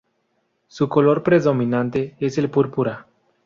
Su color predominante es el púrpura.